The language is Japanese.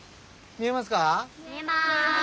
見えます。